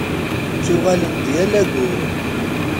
Ttuɣalen-d yal aggur.